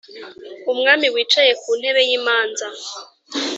umwami wicaye ku ntebe y’imanza,